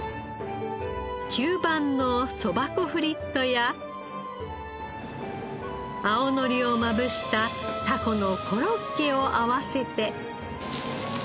吸盤のそば粉フリットや青のりをまぶしたタコのコロッケを合わせて。